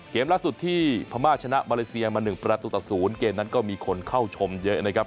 เกมล่าสุดที่พม่าชนะมาเลเซียมา๑ประตูต่อ๐เกมนั้นก็มีคนเข้าชมเยอะนะครับ